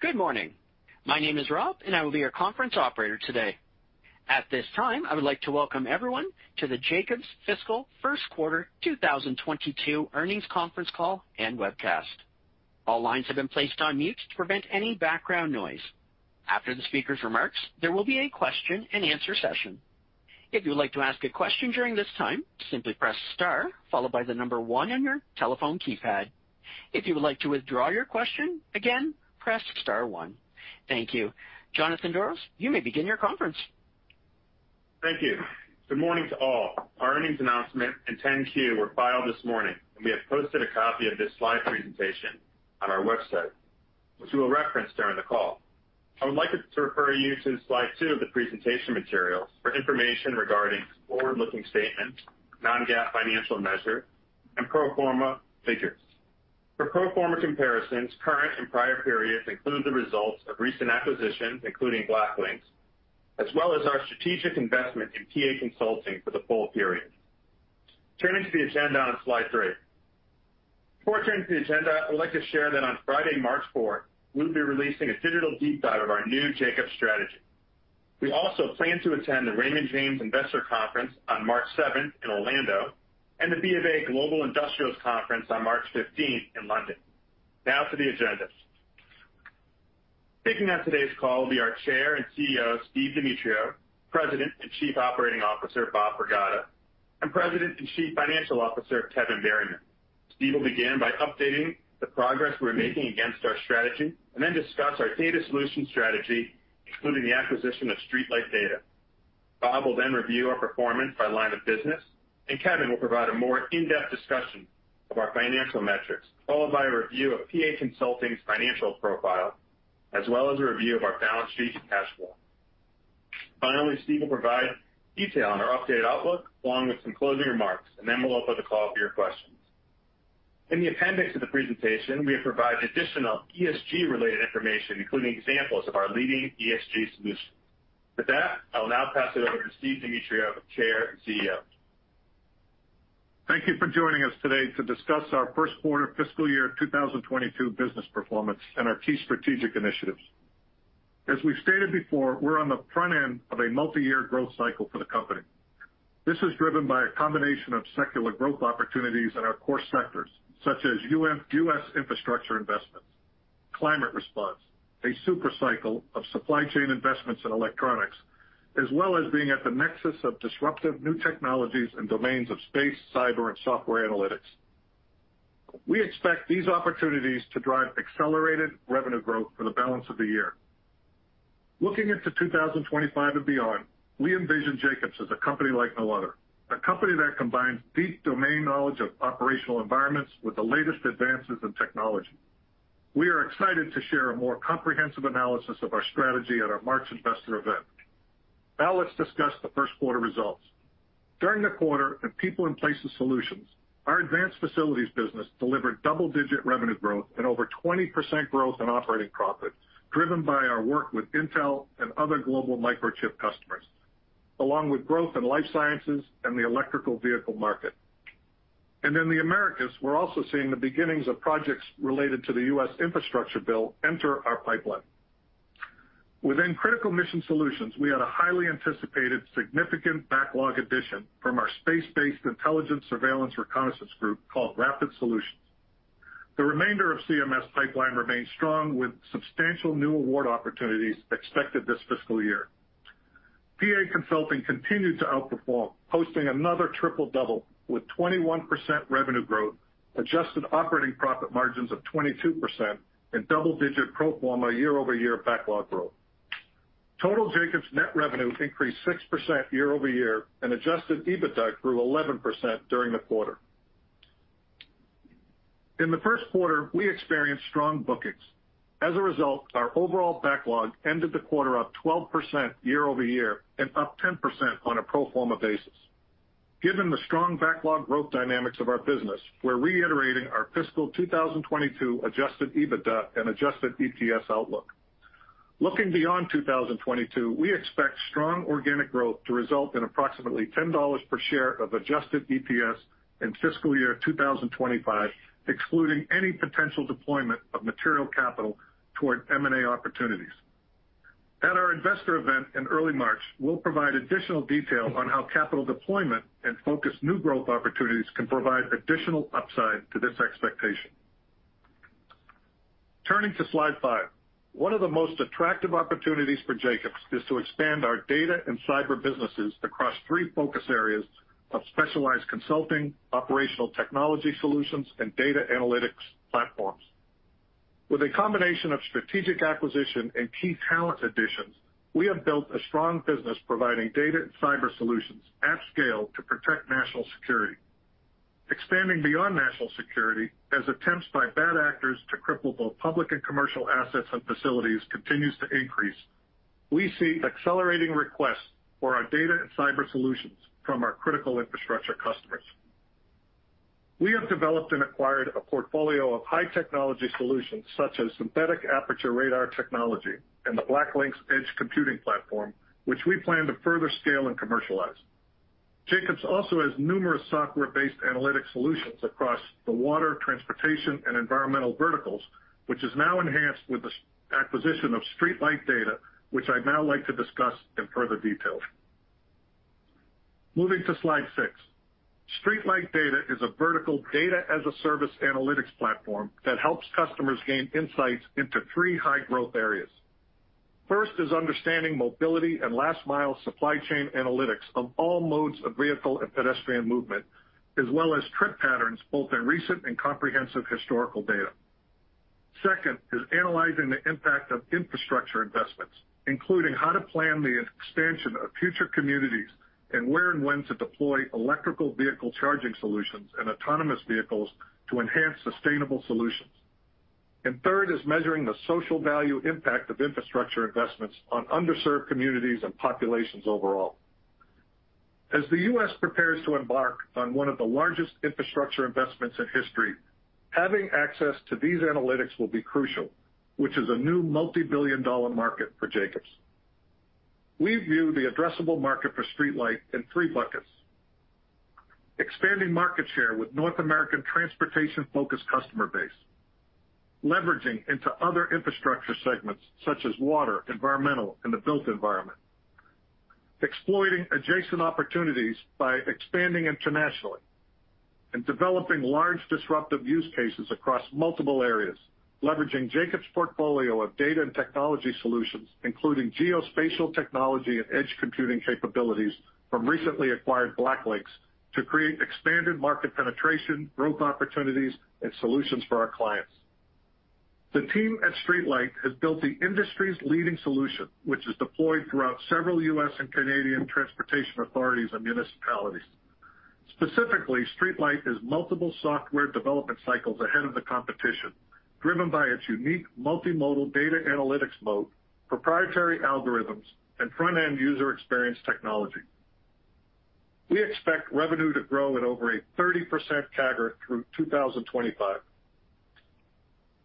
Good morning. My name is Rob, and I will be your conference operator today. At this time, I would like to welcome everyone to the Jacobs Fiscal First Quarter 2022 Earnings Conference Call and Webcast. All lines have been placed on mute to prevent any background noise. After the speaker's remarks, there will be a question-and-answer session. If you would like to ask a question during this time, simply press star followed by the number one on your telephone keypad. If you would like to withdraw your question, again, press star one. Thank you. Jonathan Doros, you may begin your conference. Thank you. Good morning to all. Our earnings announcement and 10-Q were filed this morning, and we have posted a copy of this slide presentation on our website, which we will reference during the call. I would like to refer you to slide 2 of the presentation materials for information regarding forward-looking statements, non-GAAP financial measure, and pro forma figures. For pro forma comparisons, current and prior periods include the results of recent acquisitions, including BlackLynx, as well as our strategic investment in PA Consulting for the full period. Turning to the agenda on slide 3. Before turning to the agenda, I would like to share that on Friday, March fourth, we'll be releasing a digital deep dive of our new Jacobs strategy. We also plan to attend the Raymond James Investor Conference on March seventh in Orlando and the BofA Global Industrials Conference on March fifteenth in London. Now to the agenda. Kicking off today's call will be our Chair and Chief Executive Officer, Steve Demetriou, President and Chief Operating Officer, Bob Pragada, and President and Chief Financial Officer, Kevin Berryman. Steve will begin by updating the progress we're making against our strategy and then discuss our data solution strategy, including the acquisition of StreetLight Data. Bob will then review our performance by line of business, and Kevin will provide a more in-depth discussion of our financial metrics, followed by a review of PA Consulting's financial profile, as well as a review of our balance sheet and cash flow. Finally, Steve will provide detail on our updated outlook, along with some closing remarks, and then we'll open the call for your questions. In the appendix of the presentation, we have provided additional ESG-related information, including examples of our leading ESG solutions. With that, I will now pass it over to Steve Demetriou, Chair and Chief Executive Officer. Thank you for joining us today to discuss our first quarter fiscal year 2022 business performance and our key strategic initiatives. As we've stated before, we're on the front end of a multi-year growth cycle for the company. This is driven by a combination of secular growth opportunities in our core sectors, such as U.S. infrastructure investments, climate response, a super cycle of supply chain investments in electronics, as well as being at the nexus of disruptive new technologies and domains of space, cyber, and software analytics. We expect these opportunities to drive accelerated revenue growth for the balance of the year. Looking into 2025 and beyond, we envision Jacobs as a company like no other, a company that combines deep domain knowledge of operational environments with the latest advances in technology. We are excited to share a more comprehensive analysis of our strategy at our March investor event. Now let's discuss the first quarter results. During the quarter, in People & Places Solutions, our advanced facilities business delivered double-digit revenue growth and over 20% growth in operating profit, driven by our work with Intel and other global microchip customers, along with growth in life sciences and the electric vehicle market. In the Americas, we're also seeing the beginnings of projects related to the U.S. infrastructure bill enter our pipeline. Within Critical Mission Solutions, we had a highly anticipated significant backlog addition from our space-based intelligence surveillance reconnaissance group called Rapid Solutions. The remainder of CMS pipeline remains strong with substantial new award opportunities expected this fiscal year. PA Consulting continued to outperform, posting another triple-double with 21% revenue growth, adjusted operating profit margins of 22% and double-digit pro forma year-over-year backlog growth. Total Jacobs' net revenue increased 6% year over year, and adjusted EBITDA grew 11% during the quarter. In the first quarter, we experienced strong bookings. As a result, our overall backlog ended the quarter up 12% year over year and up 10% on a pro forma basis. Given the strong backlog growth dynamics of our business, we're reiterating our fiscal 2022 adjusted EBITDA and adjusted EPS outlook. Looking beyond 2022, we expect strong organic growth to result in approximately $10 per share of adjusted EPS in fiscal year 2025, excluding any potential deployment of material capital toward M&A opportunities. At our investor event in early March, we'll provide additional detail on how capital deployment and focused new growth opportunities can provide additional upside to this expectation. Turning to slide five. One of the most attractive opportunities for Jacobs is to expand our data and cyber businesses across three focus areas of specialized consulting, operational technology solutions, and data analytics platforms. With a combination of strategic acquisition and key talent additions, we have built a strong business providing data and cyber solutions at scale to protect national security. Expanding beyond national security, as attempts by bad actors to cripple both public and commercial assets and facilities continues to increase, we see accelerating requests for our data and cyber solutions from our critical infrastructure customers. We have developed and acquired a portfolio of high technology solutions such as synthetic aperture radar technology and the BlackLynx edge computing platform, which we plan to further scale and commercialize. Jacobs also has numerous software-based analytic solutions across the water, transportation, and environmental verticals, which is now enhanced with the acquisition of StreetLight Data, which I'd now like to discuss in further detail. Moving to slide six. StreetLight Data is a vertical Data-as-a-Service analytics platform that helps customers gain insights into three high-growth areas. First is understanding mobility and last-mile supply chain analytics of all modes of vehicle and pedestrian movement, as well as trip patterns, both in recent and comprehensive historical data. Second is analyzing the impact of infrastructure investments, including how to plan the expansion of future communities and where and when to deploy electric vehicle charging solutions and autonomous vehicles to enhance sustainable solutions. Third is measuring the social value impact of infrastructure investments on underserved communities and populations overall. As the U.S. prepares to embark on one of the largest infrastructure investments in history, having access to these analytics will be crucial, which is a new multi-billion-dollar market for Jacobs. We view the addressable market for StreetLight in three buckets. Expanding market share with North American transportation-focused customer base. Leveraging into other infrastructure segments such as water, environmental, and the built environment. Exploiting adjacent opportunities by expanding internationally. Developing large disruptive use cases across multiple areas, leveraging Jacobs' portfolio of data and technology solutions, including geospatial technology and edge computing capabilities from recently acquired BlackLynx, to create expanded market penetration, growth opportunities, and solutions for our clients. The team at StreetLight has built the industry's leading solution, which is deployed throughout several U.S. and Canadian transportation authorities and municipalities. Specifically, StreetLight is multiple software development cycles ahead of the competition, driven by its unique multimodal data analytics mode, proprietary algorithms, and front-end user experience technology. We expect revenue to grow at over a 30% CAGR through 2025.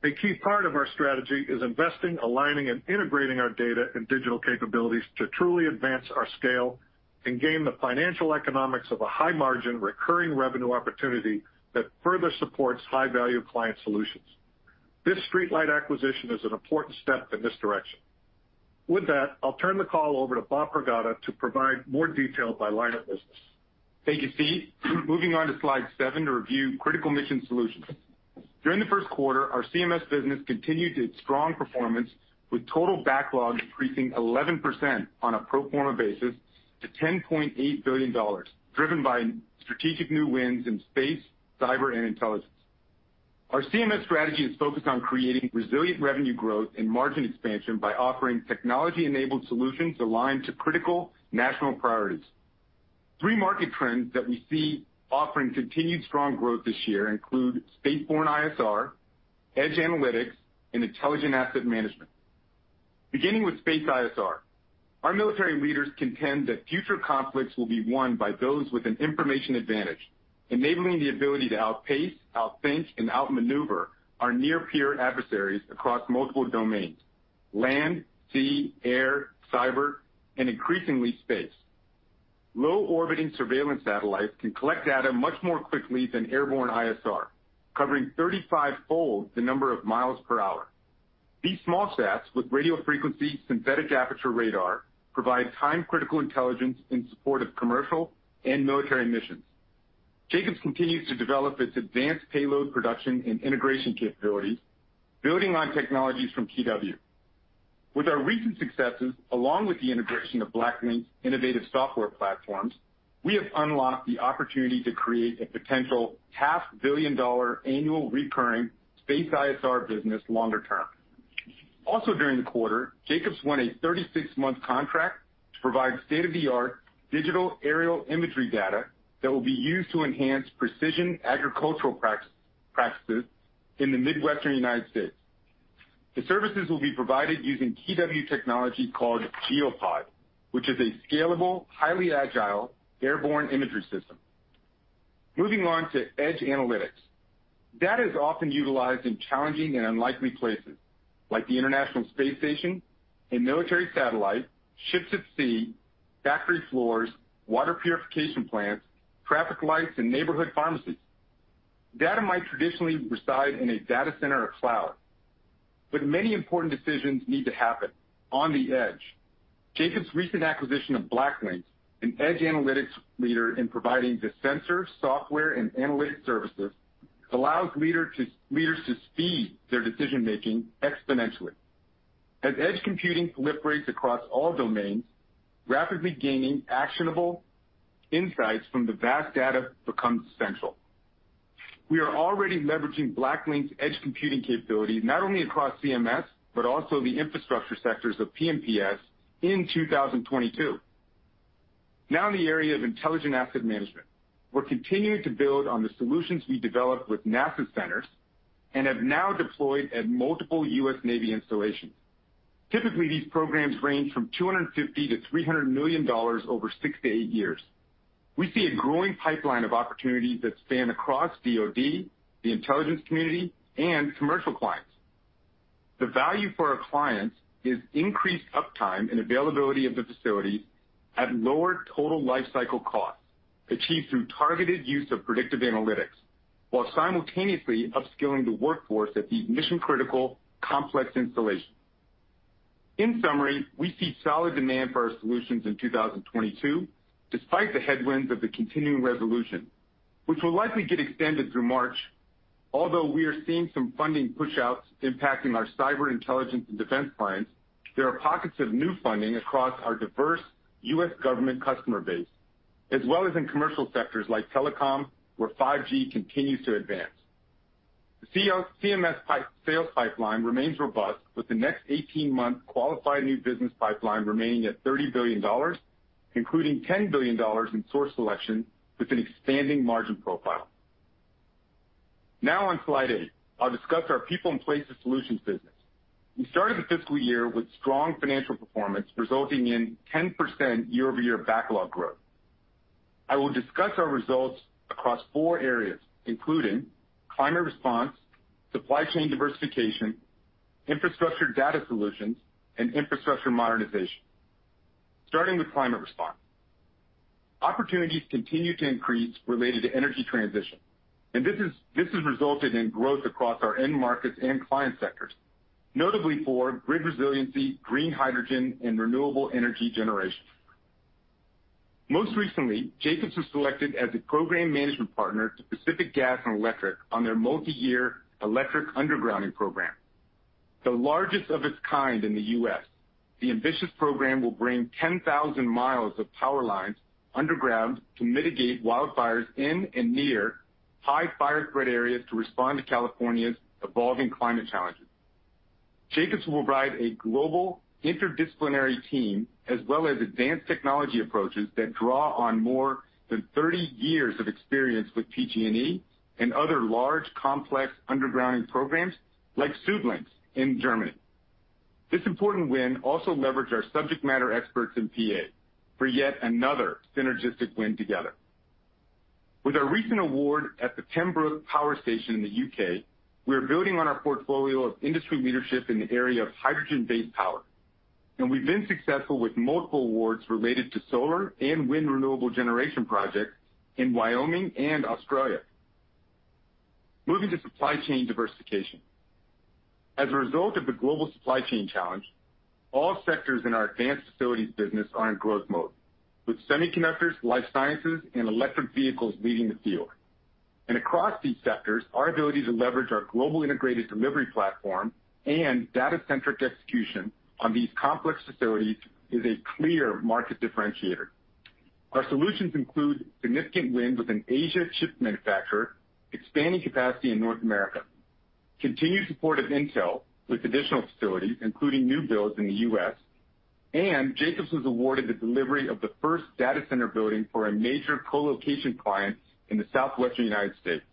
A key part of our strategy is investing, aligning, and integrating our data and digital capabilities to truly advance our scale and gain the financial economics of a high-margin recurring revenue opportunity that further supports high-value client solutions. This StreetLight acquisition is an important step in this direction. With that, I'll turn the call over to Bob Pragada to provide more detail by line of business. Thank you, Steve. Moving on to slide seven to review Critical Mission Solutions. During the first quarter, our CMS business continued its strong performance with total backlog increasing 11% on a pro forma basis to $10.8 billion, driven by strategic new wins in space, cyber, and intelligence. Our CMS strategy is focused on creating resilient revenue growth and margin expansion by offering technology-enabled solutions aligned to critical national priorities. Three market trends that we see offering continued strong growth this year include spaceborne ISR, edge analytics, and intelligent asset management. Beginning with space ISR, our military leaders contend that future conflicts will be won by those with an information advantage, enabling the ability to outpace, outthink, and outmaneuver our near peer adversaries across multiple domains, land, sea, air, cyber, and increasingly, space. Low-orbiting surveillance satellites can collect data much more quickly than airborne ISR, covering 35-fold the number of miles per hour. These small sats with radio frequency synthetic aperture radar provide time-critical intelligence in support of commercial and military missions. Jacobs continues to develop its advanced payload production and integration capabilities, building on technologies from KeyW. With our recent successes, along with the integration of BlackLynx's innovative software platforms, we have unlocked the opportunity to create a potential half-billion-dollar annual recurring space ISR business longer term. Also, during the quarter, Jacobs won a 36-month contract to provide state-of-the-art digital aerial imagery data that will be used to enhance precision agricultural practices in the Midwestern U.S. The services will be provided using KeyW technology called GeoPod, which is a scalable, highly agile airborne imagery system. Moving on to edge analytics. Data is often utilized in challenging and unlikely places like the International Space Station and military satellites, ships at sea, factory floors, water purification plants, traffic lights, and neighborhood pharmacies. Data might traditionally reside in a data center or cloud, but many important decisions need to happen on the edge. Jacobs' recent acquisition of BlackLynx, an edge analytics leader in providing the sensor, software, and analytics services, allows leaders to speed their decision-making exponentially. As edge computing proliferates across all domains, rapidly gaining actionable insights from the vast data becomes essential. We are already leveraging BlackLynx's edge computing capabilities, not only across CMS, but also the infrastructure sectors of P&PS in 2022. Now, in the area of intelligent asset management, we're continuing to build on the solutions we developed with NASA centers and have now deployed at multiple U.S. Navy installations. Typically, these programs range from $250 million-$300 million over six to eight years. We see a growing pipeline of opportunities that span across DOD, the intelligence community, and commercial clients. The value for our clients is increased uptime and availability of the facility at lower total life cycle costs, achieved through targeted use of predictive analytics, while simultaneously upskilling the workforce at the mission-critical complex installations. In summary, we see solid demand for our solutions in 2022 despite the headwinds of the continuing resolution, which will likely get extended through March. Although we are seeing some funding pushouts impacting our cyber intelligence and defense clients, there are pockets of new funding across our diverse U.S. government customer base, as well as in commercial sectors like telecom, where 5G continues to advance. The CMS pipeline remains robust with the next 18-month qualified new business pipeline remaining at $30 billion, including $10 billion in source selection with an expanding margin profile. Now on slide eight, I'll discuss our People & Places Solutions business. We started the fiscal year with strong financial performance, resulting in 10% year-over-year backlog growth. I will discuss our results across four areas, including climate response, supply chain diversification, infrastructure data solutions, and infrastructure modernization. Starting with climate response. Opportunities continue to increase related to energy transition, and this has resulted in growth across our end markets and client sectors, notably for grid resiliency, green hydrogen, and renewable energy generation. Most recently, Jacobs was selected as a program management partner to Pacific Gas and Electric on their multi-year electric undergrounding program. The largest of its kind in the U.S., the ambitious program will bring 10,000 miles of power lines underground to mitigate wildfires in and near high fire threat areas to respond to California's evolving climate challenges. Jacobs will provide a global interdisciplinary team as well as advanced technology approaches that draw on more than 30 years of experience with PG&E and other large, complex undergrounding programs like SuedLink in Germany. This important win also leveraged our subject matter experts in PA for yet another synergistic win together. With our recent award at the Pembroke Power Station in the U.K., we are building on our portfolio of industry leadership in the area of hydrogen-based power, and we've been successful with multiple awards related to solar and wind renewable generation projects in Wyoming and Australia. Moving to supply chain diversification. As a result of the global supply chain challenge, all sectors in our advanced facilities business are in growth mode, with semiconductors, life sciences, and electric vehicles leading the field. Across these sectors, our ability to leverage our global integrated delivery platform and data-centric execution on these complex facilities is a clear market differentiator. Our solutions include significant wins with an Asian chip manufacturer, expanding capacity in North America, continued support of Intel with additional facilities, including new builds in the U.S., and Jacobs was awarded the delivery of the first data center building for a major co-location client in the Southwestern United States.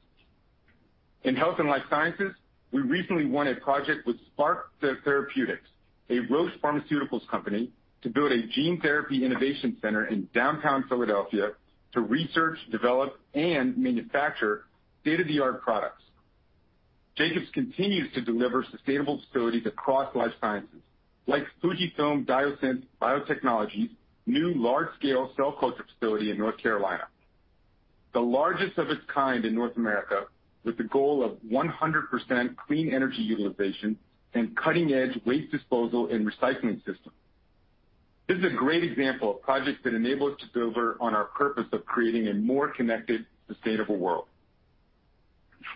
In health and life sciences, we recently won a project with Spark Therapeutics, a Roche Pharmaceuticals company, to build a gene therapy innovation center in downtown Philadelphia to research, develop, and manufacture state-of-the-art products. Jacobs continues to deliver sustainable facilities across life sciences, like FUJIFILM Diosynth Biotechnologies' new large-scale cell culture facility in North Carolina, the largest of its kind in North America, with the goal of 100% clean energy utilization and cutting-edge waste disposal and recycling systems. This is a great example of projects that enable us to deliver on our purpose of creating a more connected, sustainable world.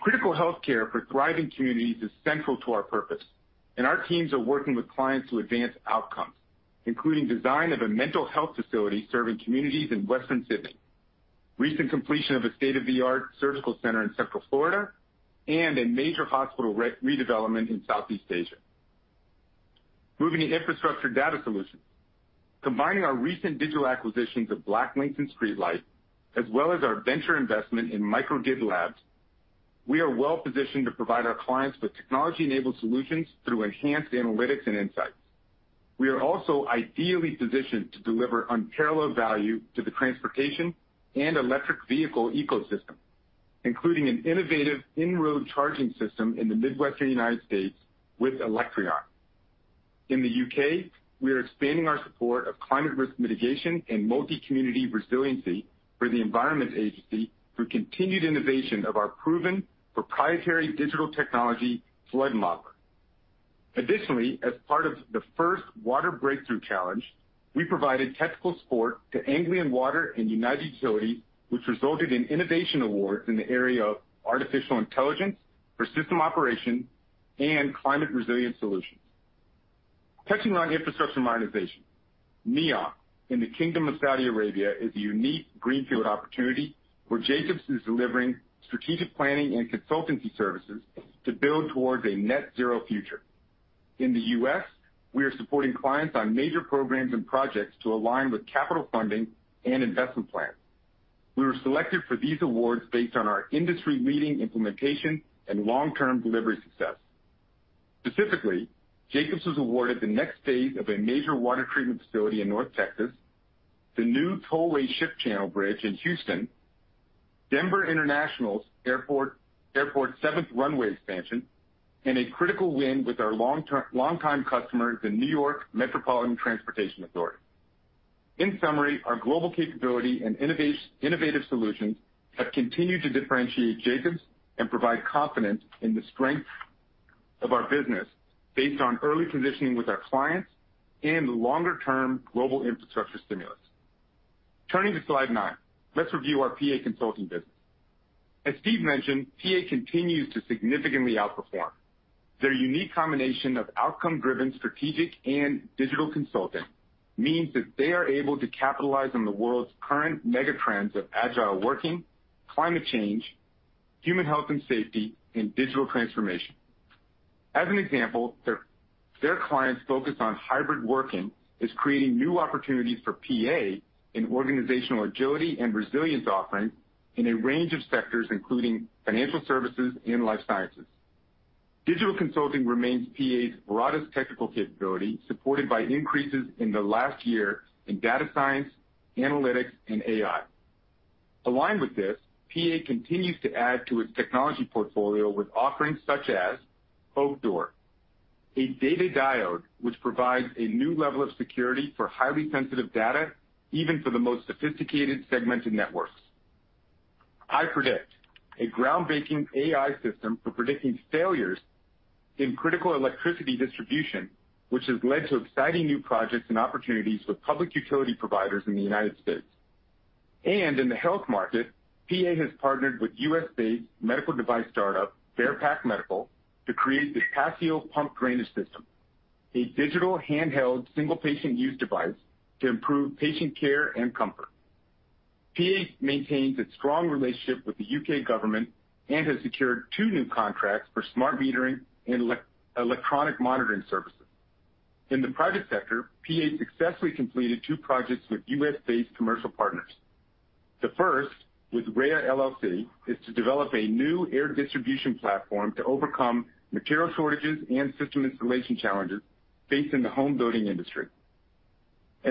Critical healthcare for thriving communities is central to our purpose, and our teams are working with clients to advance outcomes, including design of a mental health facility serving communities in Western Sydney, recent completion of a state-of-the-art surgical center in Central Florida, and a major hospital redevelopment in Southeast Asia. Moving to infrastructure data solutions. Combining our recent digital acquisitions of BlackLynx and StreetLight, as well as our venture investment in Microgrid Labs, we are well-positioned to provide our clients with technology-enabled solutions through enhanced analytics and insights. We are also ideally positioned to deliver unparalleled value to the transportation and electric vehicle ecosystem, including an innovative in-road charging system in the Midwestern U.S. with Electreon. In the U.K., we are expanding our support of climate risk mitigation and multi-community resiliency for the Environment Agency through continued innovation of our proven proprietary digital technology, Flood Modeller. Additionally, as part of the first Water Breakthrough Challenge, we provided technical support to Anglian Water and United Utilities, which resulted in innovation awards in the area of artificial intelligence for system operation and climate resilience solutions. Touching on infrastructure modernization. NEOM in the Kingdom of Saudi Arabia is a unique greenfield opportunity where Jacobs is delivering strategic planning and consultancy services to build towards a net zero future. In the U.S., we are supporting clients on major programs and projects to align with capital funding and investment plans. We were selected for these awards based on our industry-leading implementation and long-term delivery success. Specifically, Jacobs was awarded the next phase of a major water treatment facility in North Texas, the new Sam Houston Tollway Ship Channel Bridge in Houston, Denver International Airport seventh runway expansion, and a critical win with our longtime customer, the New York Metropolitan Transportation Authority. In summary, our global capability and innovative solutions have continued to differentiate Jacobs and provide confidence in the strength of our business based on early positioning with our clients and the longer-term global infrastructure stimulus. Turning to slide nine, let's review our PA Consulting business. As Steve mentioned, PA continues to significantly outperform. Their unique combination of outcome-driven strategic and digital consulting means that they are able to capitalize on the world's current mega trends of agile working, climate change, human health and safety, and digital transformation. As an example, their clients' focus on hybrid working is creating new opportunities for PA in organizational agility and resilience offerings in a range of sectors, including financial services and life sciences. Digital consulting remains PA's broadest technical capability, supported by increases in the last year in data science, analytics, and AI. Aligned with this, PA continues to add to its technology portfolio with offerings such as Oakdoor, a data diode which provides a new level of security for highly sensitive data, even for the most sophisticated segmented networks. iPredict, a groundbreaking AI system for predicting failures in critical electricity distribution, which has led to exciting new projects and opportunities with public utility providers in the United States. In the health market, PA has partnered with U.S.-based medical device startup, Bearpac Medical, to create the Passio Pump Drainage System, a digital handheld single patient use device to improve patient care and comfort. PA maintains its strong relationship with the U.K. government and has secured two new contracts for smart metering and electronic monitoring services. In the private sector, PA successfully completed two projects with U.S.-based commercial partners. The first, with Rea LLC, is to develop a new air distribution platform to overcome material shortages and system installation challenges facing the home building industry.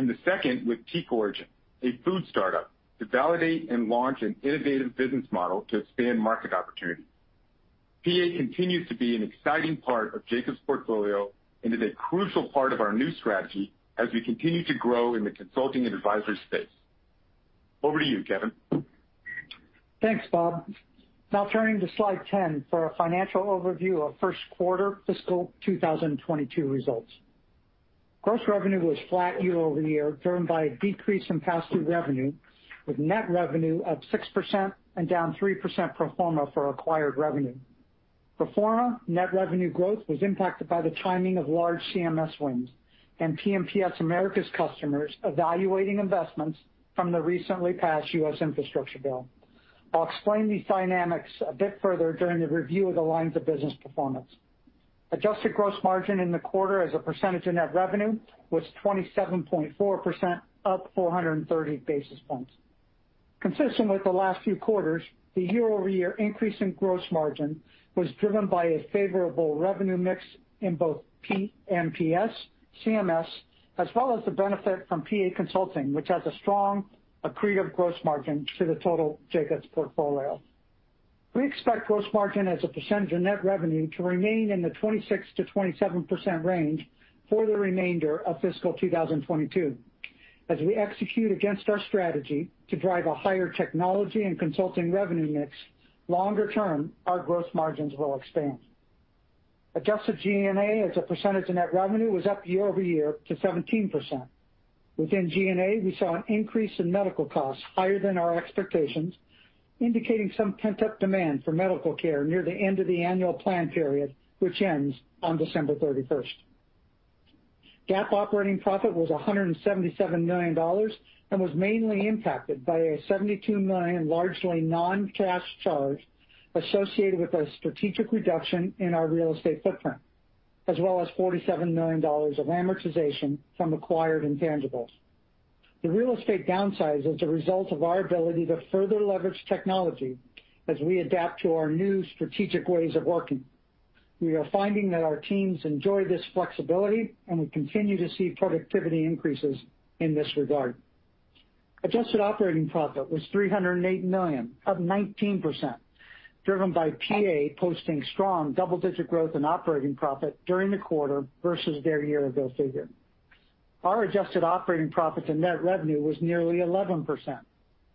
The second with TeakOrigin, a food startup, to validate and launch an innovative business model to expand market opportunities. PA continues to be an exciting part of Jacobs' portfolio and is a crucial part of our new strategy as we continue to grow in the consulting and advisory space. Over to you, Kevin. Thanks, Bob. Now turning to slide 10 for a financial overview of first quarter fiscal 2022 results. Gross revenue was flat year-over-year, driven by a decrease in capacity revenue, with net revenue up 6% and down 3% pro forma for acquired revenue. Pro forma net revenue growth was impacted by the timing of large CMS wins and P&PS America's customers evaluating investments from the recently passed U.S. infrastructure bill. I'll explain these dynamics a bit further during the review of the lines of business performance. Adjusted gross margin in the quarter as a percentage of net revenue was 27.4%, up 430 basis points. Consistent with the last few quarters, the year-over-year increase in gross margin was driven by a favorable revenue mix in both P&PS, CMS, as well as the benefit from PA Consulting, which has a strong accretive gross margin to the total Jacobs portfolio. We expect gross margin as a percentage of net revenue to remain in the 26%-27% range for the remainder of fiscal 2022. As we execute against our strategy to drive a higher technology and consulting revenue mix, longer term, our gross margins will expand. Adjusted G&A as a percentage of net revenue was up year over year to 17%. Within G&A, we saw an increase in medical costs higher than our expectations, indicating some pent-up demand for medical care near the end of the annual plan period, which ends on December 31. GAAP operating profit was $177 million and was mainly impacted by a $72 million largely non-cash charge associated with a strategic reduction in our real estate footprint, as well as $47 million of amortization from acquired intangibles. The real estate downsize is a result of our ability to further leverage technology as we adapt to our new strategic ways of working. We are finding that our teams enjoy this flexibility, and we continue to see productivity increases in this regard. Adjusted operating profit was $308 million, up 19%, driven by PA posting strong double-digit growth in operating profit during the quarter versus their year-ago figure. Our adjusted operating profit to net revenue was nearly 11%,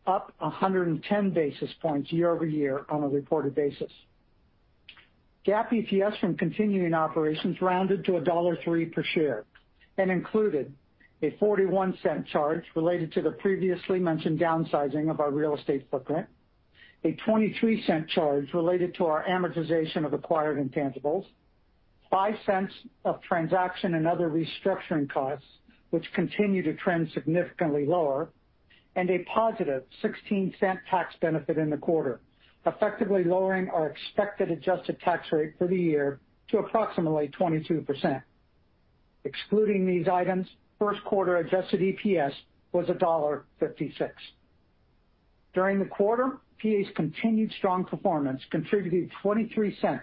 up 110 basis points year-over-year on a reported basis. GAAP EPS from continuing operations rounded to $1.03 per share and included a $0.41 charge related to the previously mentioned downsizing of our real estate footprint, a $0.23 charge related to our amortization of acquired intangibles, $0.05 of transaction and other restructuring costs, which continue to trend significantly lower, and a positive $0.16 tax benefit in the quarter, effectively lowering our expected adjusted tax rate for the year to approximately 22%. Excluding these items, first quarter adjusted EPS was $1.56. During the quarter, PA's continued strong performance contributed $0.23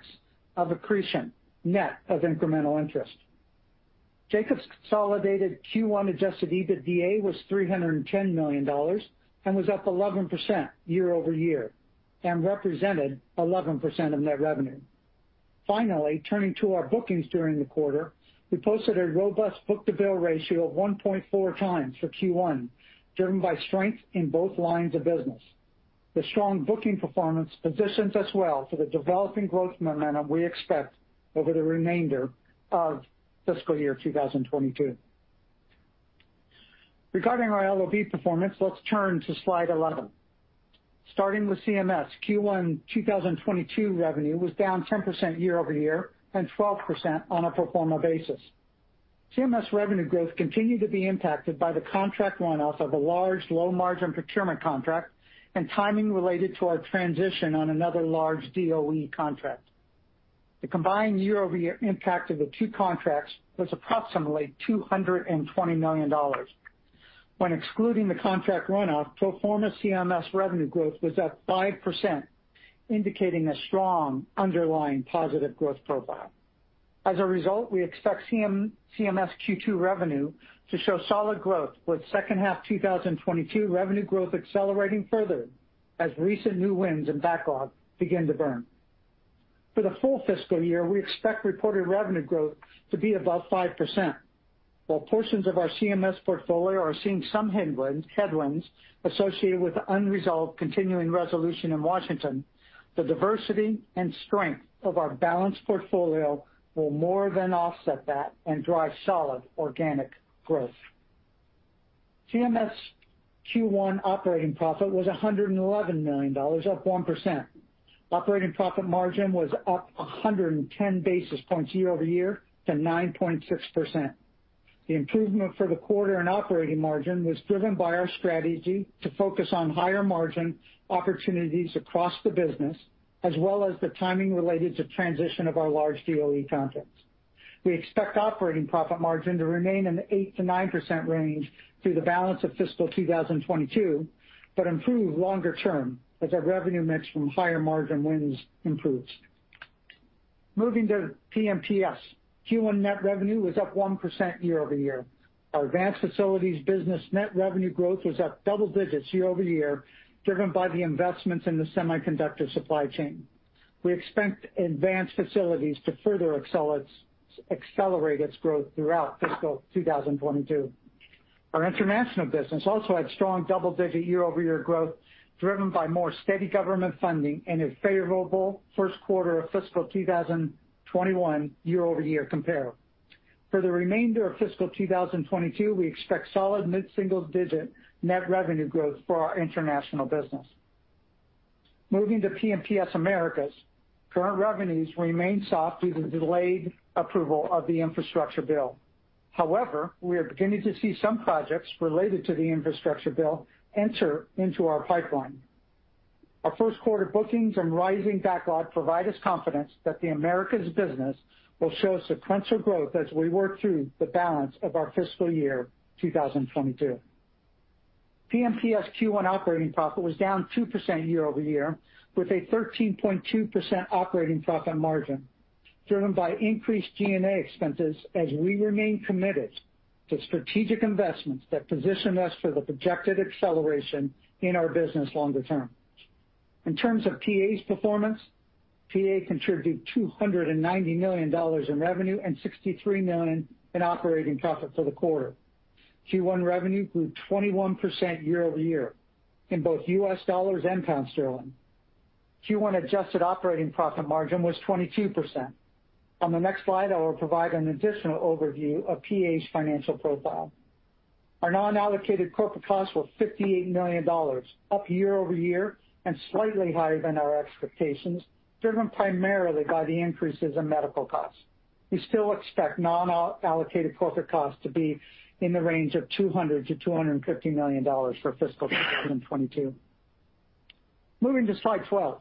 of accretion, net of incremental interest. Jacobs' consolidated Q1 adjusted EBITDA was $310 million and was up 11% year-over-year, and represented 11% of net revenue. Finally, turning to our bookings during the quarter, we posted a robust book-to-bill ratio of 1.4x for Q1, driven by strength in both lines of business. The strong booking performance positions us well for the developing growth momentum we expect over the remainder of fiscal year 2022. Regarding our LOB performance, let's turn to slide 11. Starting with CMS, Q1 2022 revenue was down 10% year-over-year and 12% on a pro forma basis. CMS revenue growth continued to be impacted by the contract runoff of a large low-margin procurement contract and timing related to our transition on another large DOE contract. The combined year-over-year impact of the two contracts was approximately $220 million. When excluding the contract runoff, pro forma CMS revenue growth was at 5%, indicating a strong underlying positive growth profile. As a result, we expect CMS Q2 revenue to show solid growth, with second half 2022 revenue growth accelerating further as recent new wins and backlog begin to burn. For the full fiscal year, we expect reported revenue growth to be above 5%. While portions of our CMS portfolio are seeing some headwind, headwinds associated with the unresolved continuing resolution in Washington, the diversity and strength of our balanced portfolio will more than offset that and drive solid organic growth. CMS Q1 operating profit was $111 million, up 1%. Operating profit margin was up 110 basis points year-over-year to 9.6%. The improvement for the quarter in operating margin was driven by our strategy to focus on higher-margin opportunities across the business, as well as the timing related to transition of our large DOE contracts. We expect operating profit margin to remain in the 8%-9% range through the balance of fiscal 2022, but improve longer term as our revenue mix from higher margin wins improves. Moving to PMTS. Q1 net revenue was up 1% year-over-year. Our advanced facilities business net revenue growth was up double digits year-over-year, driven by the investments in the semiconductor supply chain. We expect advanced facilities to further accelerate its growth throughout fiscal 2022. Our international business also had strong double-digit year-over-year growth, driven by more steady government funding and a favorable first quarter of fiscal 2021 year-over-year compare. For the remainder of fiscal 2022, we expect solid mid-single-digit net revenue growth for our international business. Moving to P&PS Americas. Current revenues remain soft due to delayed approval of the infrastructure bill. However, we are beginning to see some projects related to the infrastructure bill enter into our pipeline. Our first quarter bookings and rising backlog provide us confidence that the Americas business will show sequential growth as we work through the balance of our fiscal year 2022. P&PS Q1 operating profit was down 2% year-over-year, with a 13.2% operating profit margin, driven by increased G&A expenses as we remain committed to strategic investments that position us for the projected acceleration in our business longer term. In terms of PA's performance, PA contributed $290 million in revenue and $63 million in operating profit for the quarter. Q1 revenue grew 21% year-over-year in both U.S. Dollars and pound sterling. Q1 adjusted operating profit margin was 22%. On the next slide, I will provide an additional overview of PA's financial profile. Our non-allocated corporate costs were $58 million, up year-over-year and slightly higher than our expectations, driven primarily by the increases in medical costs. We still expect non-allocated corporate costs to be in the range of $200 million-$250 million for fiscal 2022. Moving to slide 12.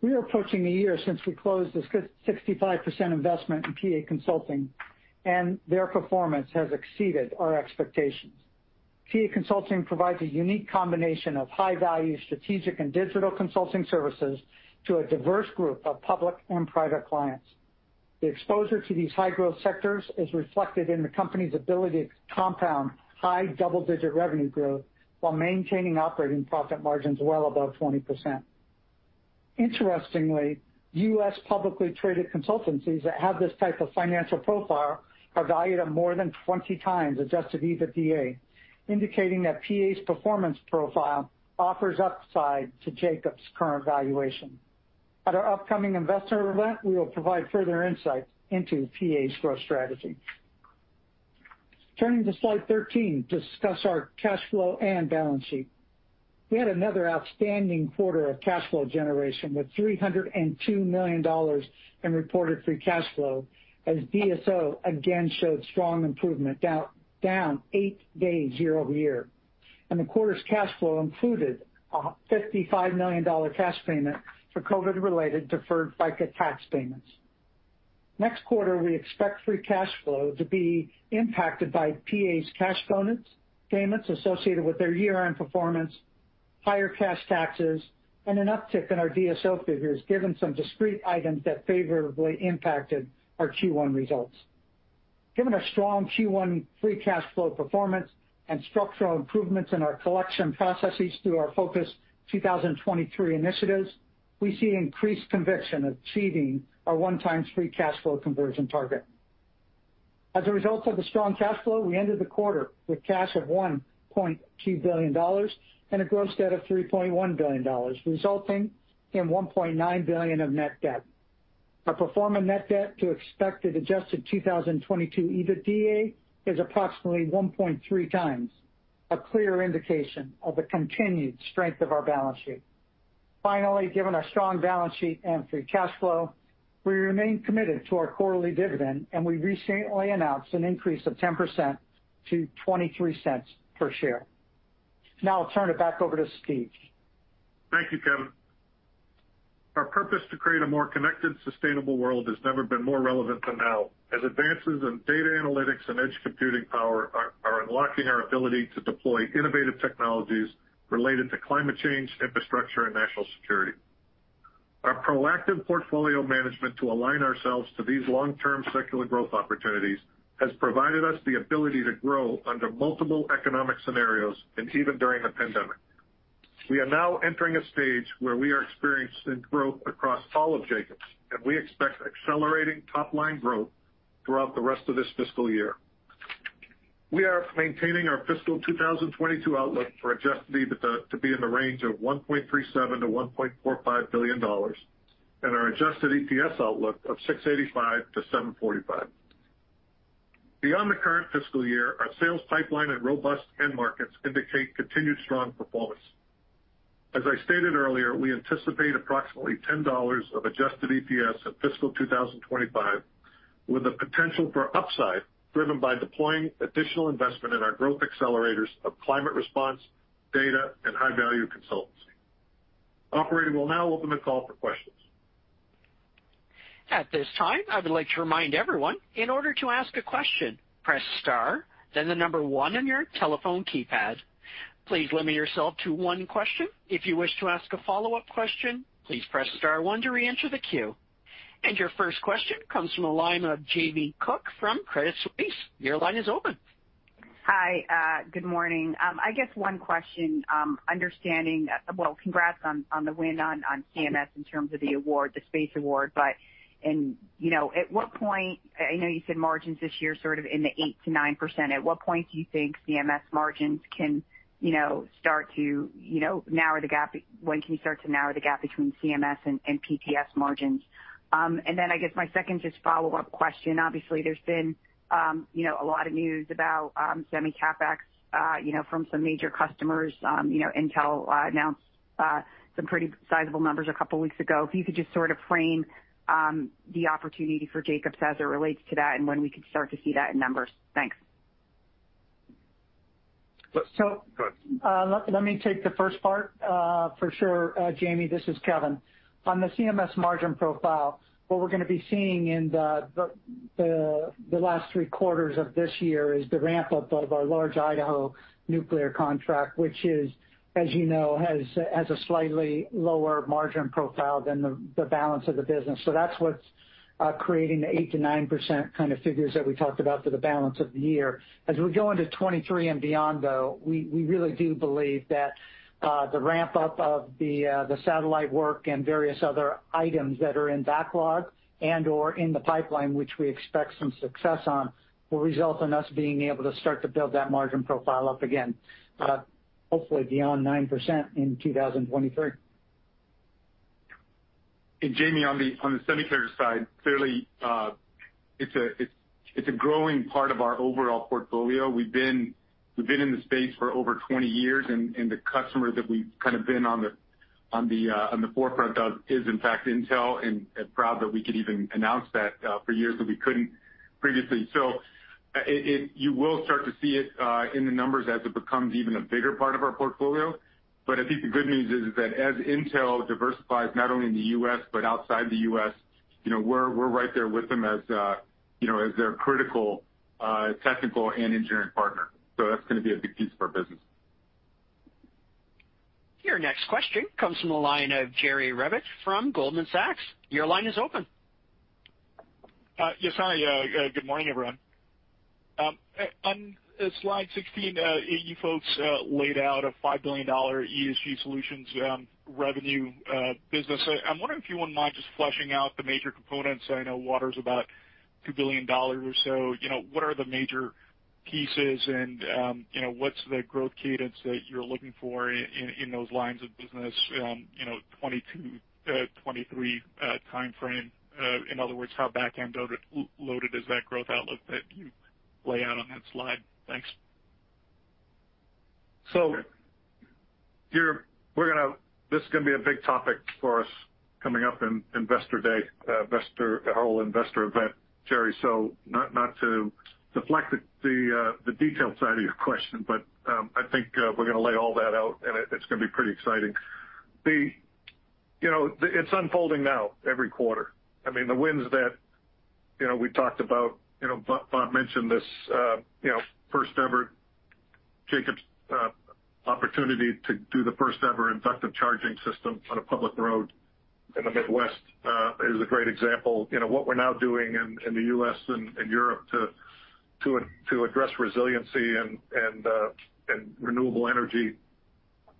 We are approaching a year since we closed the 65% investment in PA Consulting, and their performance has exceeded our expectations. PA Consulting provides a unique combination of high-value strategic and digital consulting services to a diverse group of public and private clients. The exposure to these high-growth sectors is reflected in the company's ability to compound high double-digit revenue growth while maintaining operating profit margins well above 20%. Interestingly, U.S. publicly traded consultancies that have this type of financial profile are valued at more than 20x adjusted EBITDA, indicating that PA's performance profile offers upside to Jacobs' current valuation. At our upcoming investor event, we will provide further insight into PA's growth strategy. Turning to slide 13 to discuss our cash flow and balance sheet. We had another outstanding quarter of cash flow generation, with $302 million in reported free cash flow as DSO again showed strong improvement, down eight days year-over-year. The quarter's cash flow included a $55 million cash payment for COVID-related deferred FICA tax payments. Next quarter, we expect free cash flow to be impacted by PA's cash bonus payments associated with their year-end performance, higher cash taxes, and an uptick in our DSO figures, given some discrete items that favorably impacted our Q1 results. Given our strong Q1 free cash flow performance and structural improvements in our collection processes through our Focus 2023 initiatives, we see increased conviction of achieving our 1x free cash flow conversion target. As a result of the strong cash flow, we ended the quarter with cash of $1.2 billion and a gross debt of $3.1 billion, resulting in $1.9 billion of net debt. Our pro forma net debt to expected adjusted 2022 EBITDA is approximately 1.3x, a clear indication of the continued strength of our balance sheet. Finally, given our strong balance sheet and free cash flow, we remain committed to our quarterly dividend, and we recently announced an increase of 10% to $0.23 per share. Now I'll turn it back over to Steve. Thank you, Kevin. Our purpose to create a more connected, sustainable world has never been more relevant than now, as advances in data analytics and edge computing power are unlocking our ability to deploy innovative technologies related to climate change, infrastructure, and national security. Our proactive portfolio management to align ourselves to these long-term secular growth opportunities has provided us the ability to grow under multiple economic scenarios and even during a pandemic. We are now entering a stage where we are experiencing growth across all of Jacobs, and we expect accelerating top-line growth throughout the rest of this fiscal year. We are maintaining our fiscal 2022 outlook for adjusted EBITDA to be in the range of $1.37 billion-$1.45 billion and our adjusted EPS outlook of $6.85-$7.45. Beyond the current fiscal year, our sales pipeline and robust end markets indicate continued strong performance. As I stated earlier, we anticipate approximately $10 of adjusted EPS in fiscal 2025, with the potential for upside driven by deploying additional investment in our growth accelerators of climate response, data, and high-value consultancy. Operator will now open the call for questions. At this time, I would like to remind everyone, in order to ask a question, press star, then one on your telephone keypad. Please limit yourself to one question. If you wish to ask a follow-up question, please press star one to reenter the queue. Your first question comes from the line of Jamie Cook from Credit Suisse, your line is open. Hi, good morning. I guess one question understanding well congrats on the win on CMS in terms of the award, the space award. In, you know, at what point I know you said margins this year sort of in the 8%-9%. At what point do you think CMS margins can, you know, start to, you know, narrow the gap. When can you start to narrow the gap between CMS and P&PS margins? I guess my second just follow-up question, obviously, there's been, you know, a lot of news about semi CapEx, you know, from some major customers. You know, Intel announced some pretty sizable numbers a couple weeks ago. If you could just sort of frame the opportunity for Jacobs as it relates to that and when we could start to see that in numbers? Thanks. So- Go ahead. Let me take the first part, for sure, Jamie. This is Kevin. On the CMS margin profile, what we're gonna be seeing in the last three quarters of this year is the ramp-up of our large Idaho nuclear contract, which is, as you know, has a slightly lower margin profile than the balance of the business. That's what's creating the 8%-9% kind of figures that we talked about for the balance of the year. As we go into 2023 and beyond, though, we really do believe that the ramp-up of the satellite work and various other items that are in backlog and/or in the pipeline, which we expect some success on, will result in us being able to start to build that margin profile up again, hopefully beyond 9% in 2023. Jamie, on the semiconductor side, clearly, it's a growing part of our overall portfolio. We've been in the space for over 20 years, and the customer that we've kind of been on the forefront of is, in fact, Intel, and proud that we could even announce that for years that we couldn't previously. You will start to see it in the numbers as it becomes even a bigger part of our portfolio. But I think the good news is that as Intel diversifies not only in the U.S., but outside the U.S., you know, we're right there with them as, you know, as their critical technical and engineering partner. That's gonna be a big piece of our business. Your next question comes from the line of Jerry Revich from Goldman Sachs, your line is open. Yes, hi. Good morning, everyone. On slide 16, you folks laid out a $5 billion ESG solutions revenue business. I'm wondering if you wouldn't mind just fleshing out the major components. I know water's about $2 billion or so. You know, what are the major pieces and, you know, what's the growth cadence that you're looking for in those lines of business, you know, 2022 to 2023 timeframe? In other words, how back-end loaded is that growth outlook that you lay out on that slide? Thanks. This is gonna be a big topic for us coming up in Investor Day, our whole investor event, Jerry, so not to deflect the detailed side of your question, but I think we're gonna lay all that out, and it's gonna be pretty exciting. You know, it's unfolding now every quarter. I mean, the wins that we talked about, Bob mentioned this, first-ever Jacobs opportunity to do the first-ever inductive charging system on a public road in the Midwest is a great example. You know, what we're now doing in the U.S. and Europe to address resiliency and renewable energy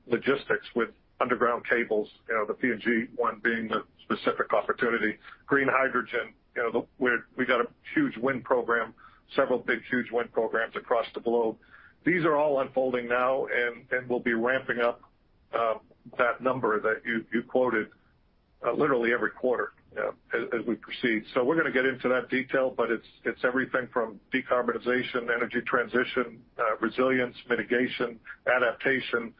logistics with underground cables, the PG&E one being the specific opportunity. Green hydrogen, you know, we got a huge wind program, several big, huge wind programs across the globe. These are all unfolding now, and we'll be ramping up that number that you quoted literally every quarter, you know, as we proceed. We're gonna get into that detail, but it's everything from decarbonization, energy transition, resilience, mitigation, adaptation.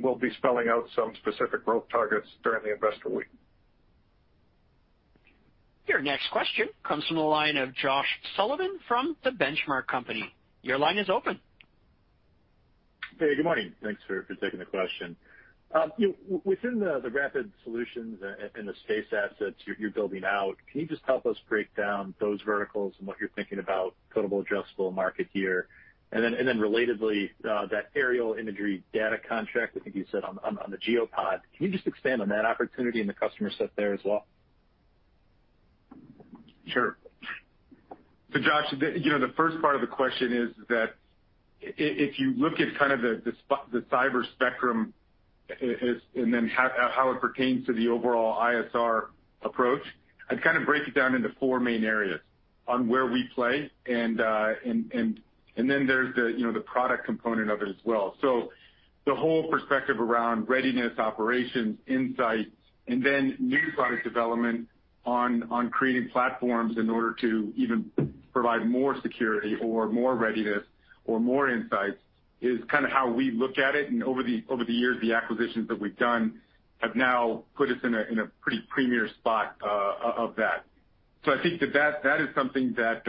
We'll be spelling out some specific growth targets during the Investor Week. Your next question comes from the line of Josh Sullivan from The Benchmark Company, your line is open. Hey, good morning. Thanks for taking the question. Within the Rapid Solutions and the space assets you're building out, can you just help us break down those verticals and what you're thinking about total addressable market here? Relatedly, that aerial imagery data contract, I think you said on the GeoPod, can you just expand on that opportunity and the customer set there as well? Sure. Josh, you know, the first part of the question is that if you look at kind of the cyber spectrum as, and then how it pertains to the overall ISR approach, I'd kind of break it down into four main areas on where we play and then there's the product component of it as well. The whole perspective around readiness, operations, insights, and then new product development on creating platforms in order to even provide more security or more readiness or more insights is kind of how we look at it. Over the years, the acquisitions that we've done have now put us in a pretty premier spot of that. I think that is something that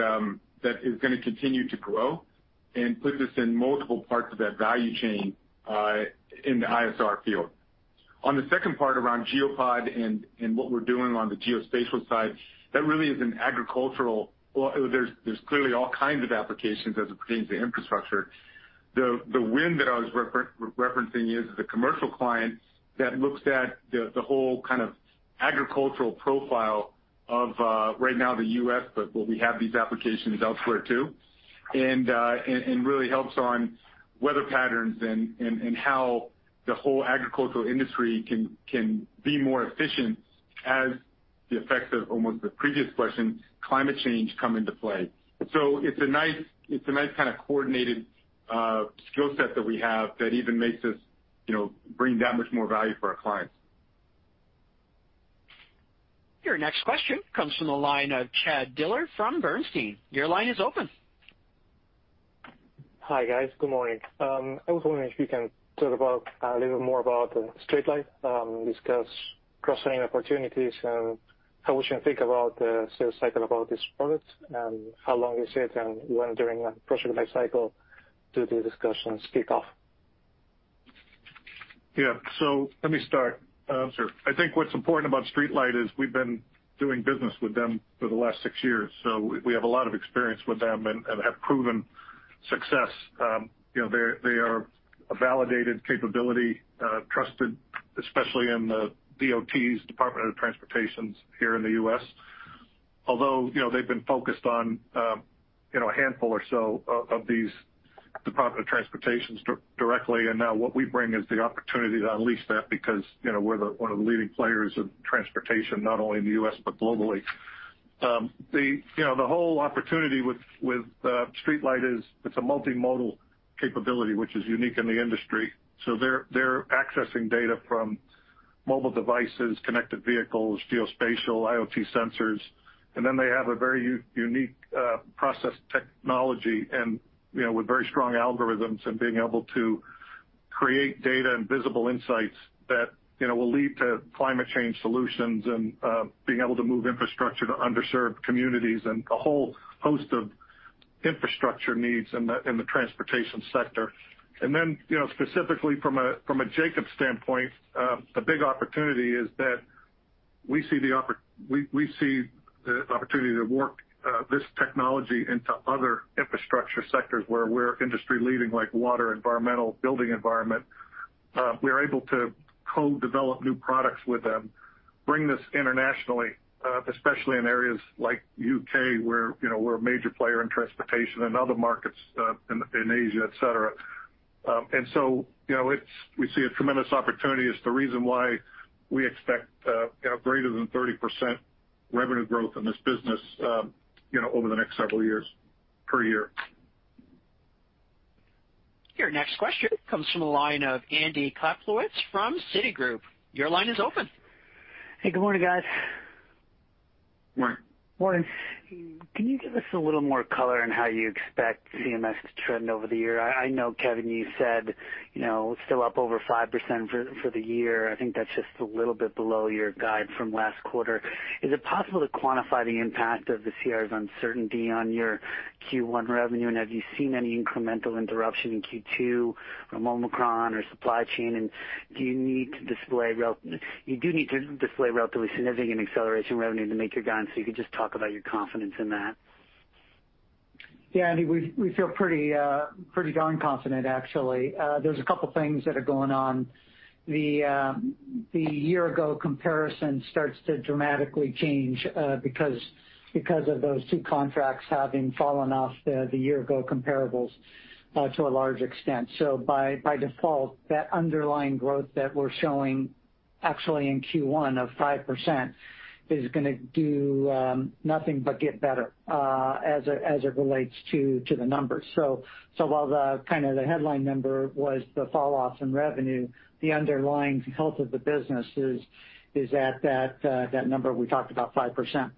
is gonna continue to grow and put us in multiple parts of that value chain in the ISR field. On the second part around GeoPod and what we're doing on the geospatial side, that really is agricultural or there's clearly all kinds of applications as it pertains to infrastructure. The win that I was referencing is the commercial client that looks at the whole kind of agricultural profile of right now the U.S., but we have these applications elsewhere too, and really helps on weather patterns and how the whole agricultural industry can be more efficient as the effects of almost the previous question, climate change come into play. It's a nice kind of coordinated skill set that we have that even makes us, you know, bring that much more value for our clients. Your next question comes from the line of Chad Dillard from Bernstein, your line is open. Hi, guys. Good morning. I was wondering if you can talk a little more about StreetLight, discuss cross-selling opportunities and how we should think about the sales cycle about this product, and how long is it, and when during a project life cycle do the discussions kick off? Yeah. Let me start. Sure. I think what's important about StreetLight is we've been doing business with them for the last six years, so we have a lot of experience with them and have proven success. You know, they are a validated capability, trusted, especially in the DOTs, Departments of Transportation here in the U.S., although, you know, they've been focused on a handful or so of these Departments of Transportation directly. Now what we bring is the opportunity to unleash that because, you know, we're one of the leading players of transportation, not only in the U.S., but globally. You know, the whole opportunity with StreetLight is it's a multimodal capability, which is unique in the industry. They're accessing data from mobile devices, connected vehicles, geospatial, IoT sensors, and then they have a very unique process technology and, you know, with very strong algorithms and being able to create data and visible insights that, you know, will lead to climate change solutions and being able to move infrastructure to underserved communities and a whole host of infrastructure needs in the transportation sector. Specifically from a Jacobs standpoint, the big opportunity is that we see the opportunity to work this technology into other infrastructure sectors where we're industry-leading, like water, environmental, building environment. We're able to co-develop new products with them, bring this internationally, especially in areas like U.K., where, you know, we're a major player in transportation and other markets in Asia, et cetera. You know, it's we see a tremendous opportunity. It's the reason why we expect, you know, greater than 30% revenue growth in this business, you know, over the next several years per year. Your next question comes from the line of Andy Kaplowitz from Citigroup, your line is open. Hey, good morning, guys. Morning. Morning. Can you give us a little more color on how you expect CMS to trend over the year? I know, Kevin, you said, you know, still up over 5% for the year. I think that's just a little bit below your guide from last quarter. Is it possible to quantify the impact of the CR's uncertainty on your Q1 revenue? And have you seen any incremental interruption in Q2 from Omicron or supply chain? And do you need to display relatively significant acceleration revenue to make your guidance? If you could just talk about your confidence in that. Yeah, Andy, we feel pretty darn confident actually. There's a couple things that are going on. The year-ago comparison starts to dramatically change because of those two contracts having fallen off the year-ago comparables to a large extent. By default, that underlying growth that we're showing actually in Q1 of 5% is gonna do nothing but get better as it relates to the numbers. While the kind of headline number was the falloff in revenue, the underlying health of the business is at that number we talked about 5%.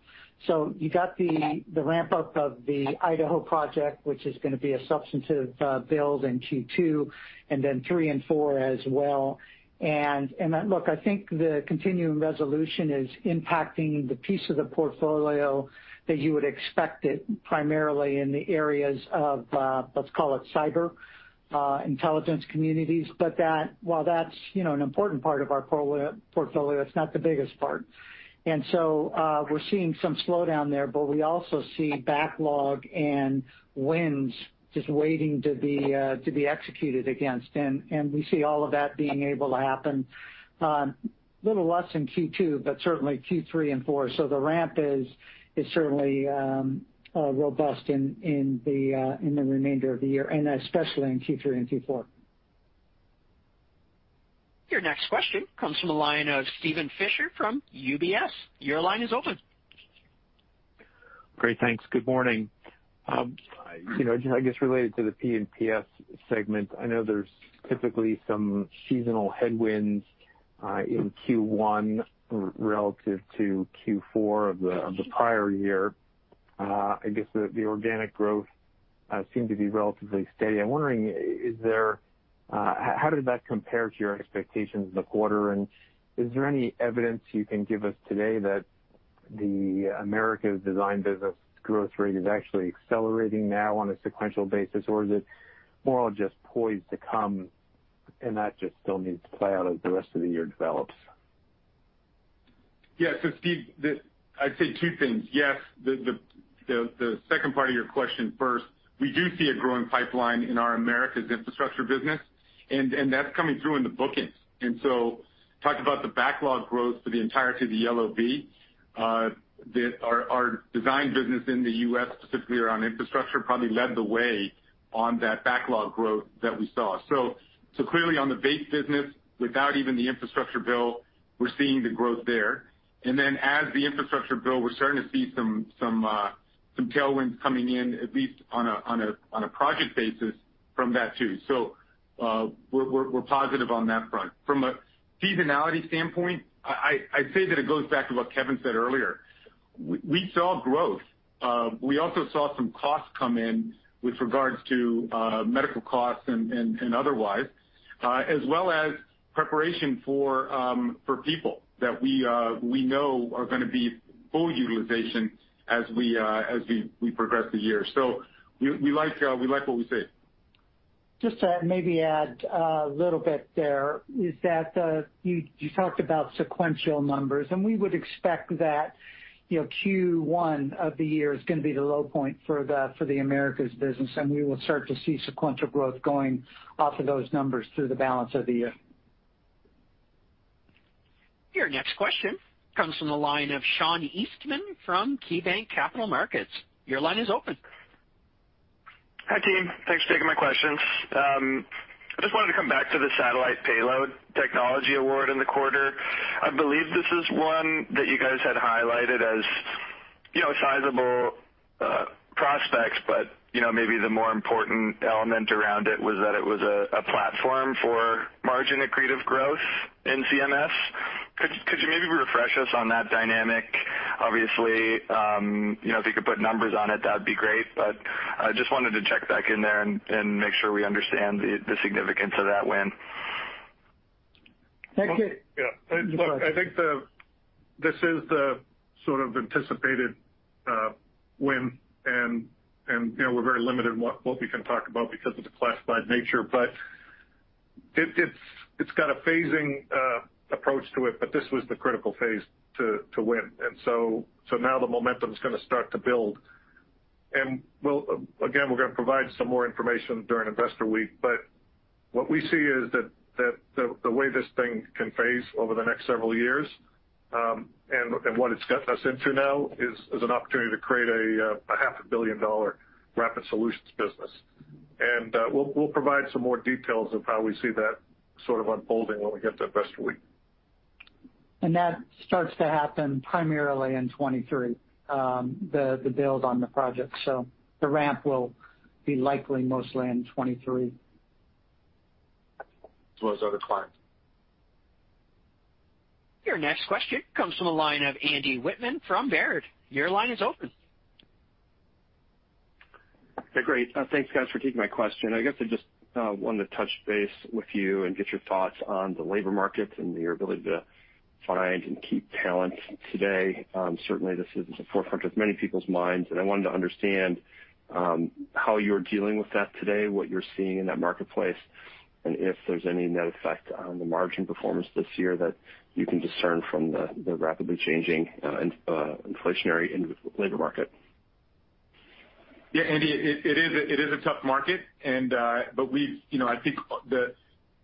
You got the ramp-up of the Idaho project, which is gonna be a substantive build in Q2, and then Q3 and Q4 as well. Look, I think the continuing resolution is impacting the piece of the portfolio that you would expect it primarily in the areas of, let's call it cyber, intelligence communities. But while that's, you know, an important part of our portfolio, it's not the biggest part. We're seeing some slowdown there, but we also see backlog and wins just waiting to be executed against. We see all of that being able to happen a little less in Q2, but certainly Q3 and four. The ramp is certainly robust in the remainder of the year, and especially in Q3 and Q4. Your next question comes from the line of Steven Fisher from UBS, your line is open. Great. Thanks. Good morning. You know, I guess related to the P&PS segment, I know there's typically some seasonal headwinds in Q1 relative to Q4 of the prior year. I guess the organic growth seemed to be relatively steady. I'm wondering, how did that compare to your expectations of the quarter? Is there any evidence you can give us today that the Americas design business growth rate is actually accelerating now on a sequential basis? Or is it more just poised to come and that just still needs to play out as the rest of the year develops? Yeah. Steve, I'd say two things. Yes. The second part of your question first. We do see a growing pipeline in our Americas infrastructure business, and that's coming through in the bookings. Talk about the backlog growth for the entirety of the P&PS, our design business in the U.S., specifically around infrastructure, probably led the way on that backlog growth that we saw. Clearly on the base business, without even the infrastructure bill, we're seeing the growth there. As the infrastructure bill, we're starting to see some tailwinds coming in, at least on a project basis from that too. We're positive on that front. From a seasonality standpoint, I'd say that it goes back to what Kevin said earlier. We saw growth. We also saw some costs come in with regards to medical costs and otherwise, as well as preparation for people that we know are gonna be full utilization as we progress the year. We like what we see. Just to maybe add a little bit there is that, you talked about sequential numbers, and we would expect that, you know, Q1 of the year is gonna be the low point for the Americas business, and we will start to see sequential growth going off of those numbers through the balance of the year. Your next question comes from the line of Sean Eastman from KeyBanc Capital Markets, your line is open. Hi, team. Thanks for taking my questions. I just wanted to come back to the satellite payload technology award in the quarter. I believe this is one that you guys had highlighted as, you know, sizable prospects, but, you know, maybe the more important element around it was that it was a platform for margin accretive growth in CMS. Could you maybe refresh us on that dynamic? Obviously, you know, if you could put numbers on it, that'd be great. But just wanted to check back in there and make sure we understand the significance of that win. I think it. Yeah. Look, I think this is the sort of anticipated win and, you know, we're very limited in what we can talk about because of the classified nature. It's got a phasing approach to it, but this was the critical phase to win. Now the momentum's gonna start to build. We'll again provide some more information during Investor Week, but what we see is that the way this thing can phase over the next several years, and what it's got us into now is an opportunity to create a half a billion-dollar Rapid Solutions business. We'll provide some more details of how we see that sort of unfolding when we get to Investor Week. That starts to happen primarily in 2023, the build on the project. The ramp will be likely mostly in 2023. As well as other clients. Your next question comes from the line of Andy Wittmann from Baird, your line is open. Okay, great. Thanks guys for taking my question. I guess I just wanted to touch base with you and get your thoughts on the labor markets and your ability to find and keep talent today. Certainly this is at the forefront of many people's minds, and I wanted to understand how you're dealing with that today, what you're seeing in that marketplace, and if there's any net effect on the margin performance this year that you can discern from the rapidly changing inflationary individual labor market. Yeah, Andy, it is a tough market. You know, I think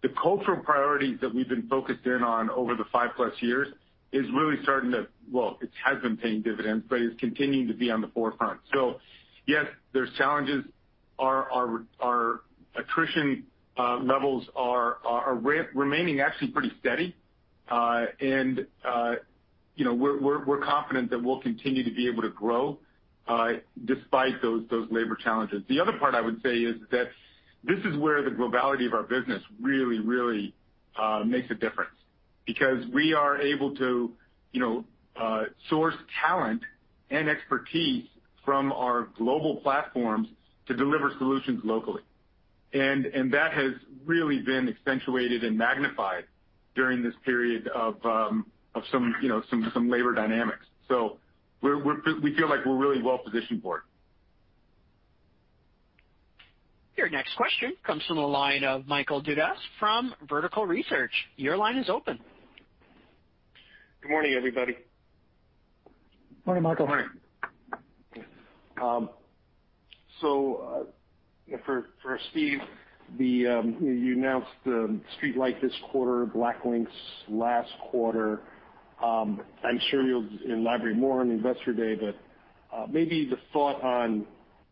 the cultural priorities that we've been focused in on over the five-plus years is really starting to. Well, it has been paying dividends, but it's continuing to be on the forefront. Yes, there's challenges. Our attrition levels are remaining actually pretty steady. You know, we're confident that we'll continue to be able to grow despite those labor challenges. The other part I would say is that this is where the globality of our business really makes a difference because we are able to you know source talent and expertise from our global platforms to deliver solutions locally. That has really been accentuated and magnified during this period of some, you know, some labor dynamics. We feel like we're really well positioned for it. Your next question comes from the line of Michael Dudas from Vertical Research, your line is open. Good morning, everybody. Morning, Michael. Morning. So for Steve, you announced StreetLight this quarter, BlackLynx last quarter. I'm sure you'll elaborate more on the Investor Day, but maybe the thought on,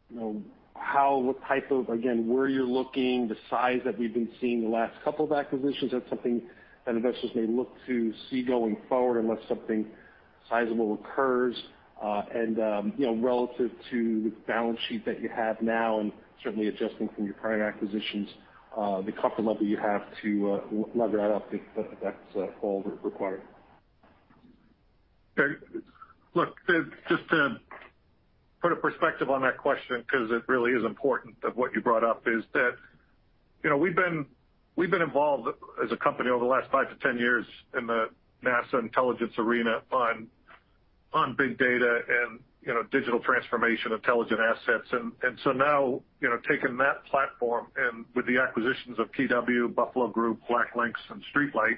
you know, how, what type of, again, where you're looking, the size that we've been seeing the last couple of acquisitions. That's something that investors may look to see going forward unless something sizable occurs. You know, relative to the balance sheet that you have now and certainly adjusting from your prior acquisitions, the comfort level you have to lever that up if that's all required. Look, just to put a perspective on that question, because it really is important what you brought up, is that, you know, we've been involved as a company over the last five -10 years in the NASA intelligence arena on big data and, you know, digital transformation, intelligent assets. Now, you know, taking that platform and with the acquisitions of KeyW, Buffalo Group, BlackLynx and StreetLight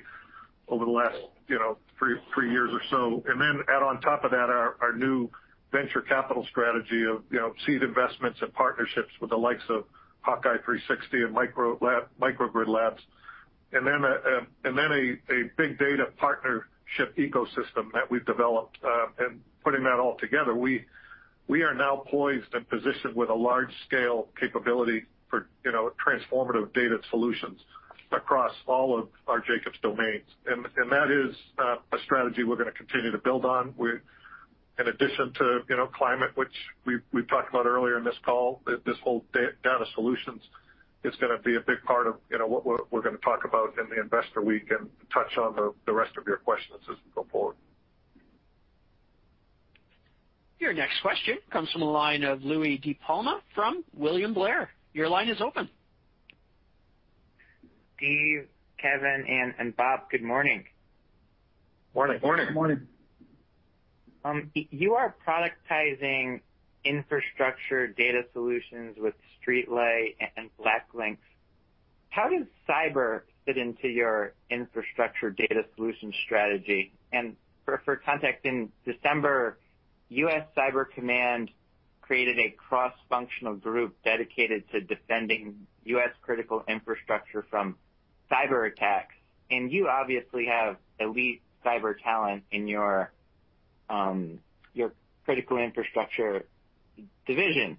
over the last, you know, three years or so, and then add on top of that our new venture capital strategy of, you know, seed investments and partnerships with the likes of HawkEye 360 and Microgrid Labs, and then a big data partnership ecosystem that we've developed, and putting that all together, we are now poised and positioned with a large-scale capability for, you know, transformative data solutions across all of our Jacobs domains. That is a strategy we're gonna continue to build on. In addition to, you know, climate, which we've talked about earlier in this call, this whole data solutions is gonna be a big part of, you know, what we're gonna talk about in the Investor Week and touch on the rest of your questions as we go forward. Your next question comes from the line of Louie DiPalma from William Blair, your line is open. Steve, Kevin, Jonathan, and Bob, good morning? Morning. Morning. Morning. You are productizing infrastructure data solutions with StreetLight and BlackLynx. How does cyber fit into your infrastructure data solution strategy? For context, in December, U.S. Cyber Command created a cross-functional group dedicated to defending U.S. critical infrastructure from cyberattacks. You obviously have elite cyber talent in your critical infrastructure division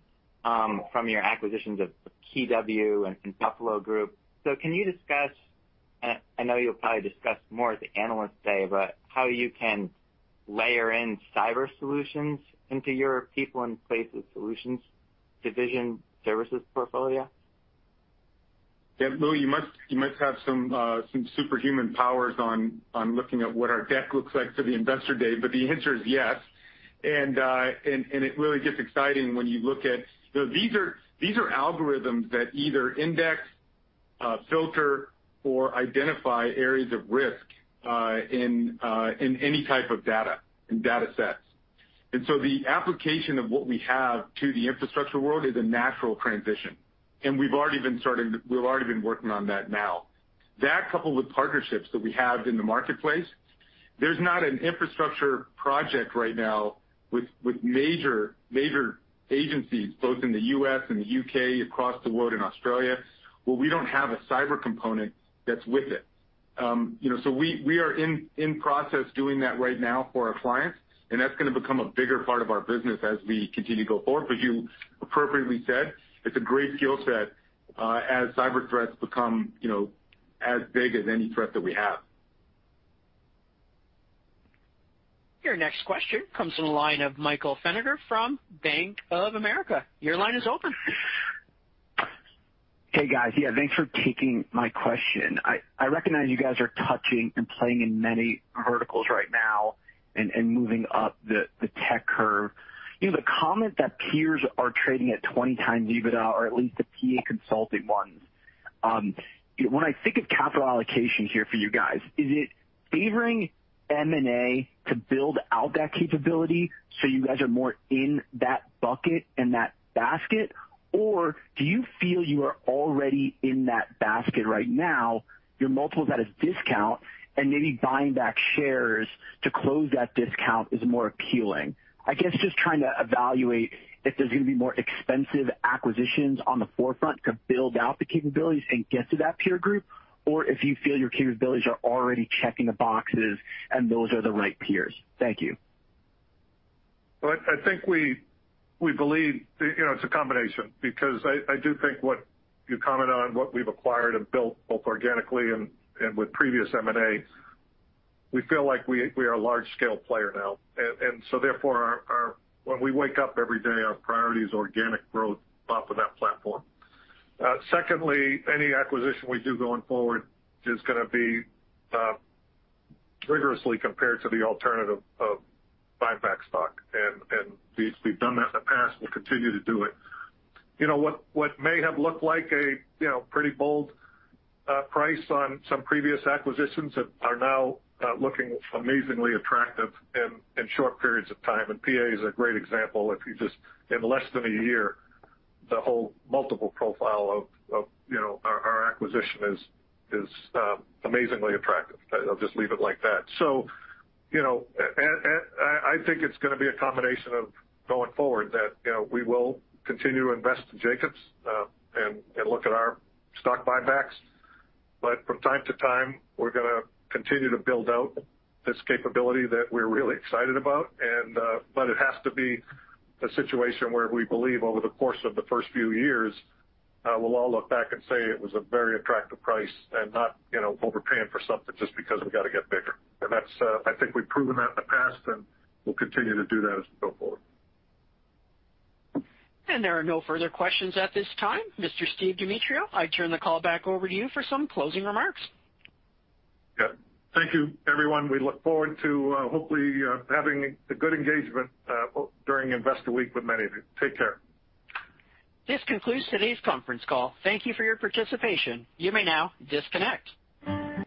from your acquisitions of KeyW and The Buffalo Group. Can you discuss, and I know you'll probably discuss more at the Analyst Day, but how you can layer in cyber solutions into your People & Places Solutions division services portfolio? Yeah. Louie, you must have some superhuman powers on looking at what our deck looks like for the Investor Day, but the answer is yes. It really gets exciting when you look at these algorithms that either index, filter or identify areas of risk in any type of data, in data sets. The application of what we have to the infrastructure world is a natural transition. We've already been working on that now. That coupled with partnerships that we have in the marketplace, there's not an infrastructure project right now with major agencies, both in the U.S. and the U.K., across the world in Australia, where we don't have a cyber component that's with it. You know, we are in process doing that right now for our clients, and that's gonna become a bigger part of our business as we continue to go forward. You appropriately said, it's a great skill set, as cyber threats become, you know, as big as any threat that we have. Your next question comes from the line of Michael Feniger from Bank of America, your line is open. Hey, guys. Yeah, thanks for taking my question. I recognize you guys are touching and playing in many verticals right now and moving up the tech curve. You know, the comment that peers are trading at 20x EBITDA or at least the PA Consulting ones, when I think of capital allocation here for you guys, is it favoring M&A to build out that capability so you guys are more in that basket and that basket? Or do you feel you are already in that basket right now, your multiples at a discount and maybe buying back shares to close that discount is more appealing? I guess just trying to evaluate if there's gonna be more expensive acquisitions on the forefront to build out the capabilities and get to that peer group or if you feel your capabilities are already checking the boxes and those are the right peers. Thank you. Well, I think we believe, you know, it's a combination because I do think what you comment on what we've acquired and built both organically and with previous M&A, we feel like we are a large-scale player now. Therefore, when we wake up every day, our priority is organic growth off of that platform. Secondly, any acquisition we do going forward is gonna be rigorously compared to the alternative of buyback stock. We've done that in the past, we'll continue to do it. You know what may have looked like a, you know, pretty bold price on some previous acquisitions are now looking amazingly attractive in short periods of time. PA is a great example. If you just look in less than a year, the whole multiple profile of you know, our acquisition is amazingly attractive. I'll just leave it like that. You know, and I think it's gonna be a combination of going forward that, you know, we will continue to invest in Jacobs and look at our stock buybacks. From time to time, we're gonna continue to build out this capability that we're really excited about and but it has to be a situation where we believe over the course of the first few years, we'll all look back and say it was a very attractive price and not you know, overpaying for something just because we've got to get bigger. That's, I think we've proven that in the past, and we'll continue to do that as we go forward. There are no further questions at this time. Mr. Steve Demetriou, I turn the call back over to you for some closing remarks. Yeah. Thank you, everyone. We look forward to hopefully having a good engagement during Investor Week with many of you. Take care. This concludes today's conference call. Thank you for your participation, you may now disconnect.